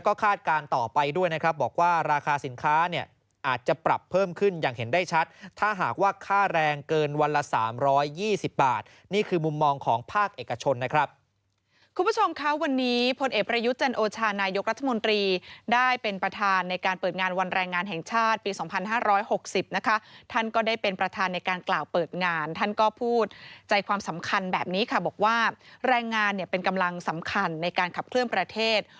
ออกไปด้วยนะครับบอกว่าราคาสินค้าเนี่ยอาจจะปรับเพิ่มขึ้นอย่างเห็นได้ชัดถ้าหากว่าค่าแรงเกินวันละ๓๒๐บาทนี่คือมุมมองของภาคเอกชนนะครับคุณผู้ชมคะวันนี้พลเอกประยุทธ์เจนโอชานายกรัฐมนตรีได้เป็นประธานในการเปิดงานวันแรงงานแห่งชาติปี๒๕๖๐นะคะท่านก็ได้เป็นประธานในการกล่าวเปิดงานท่